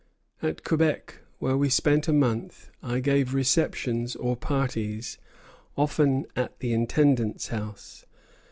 At Quebec, where we spent a month, I gave receptions or parties, often at the Intendant's house.